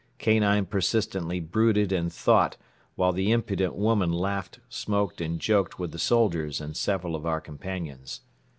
Kanine persistently brooded and thought while the impudent woman laughed, smoked and joked with the soldiers and several of our companions.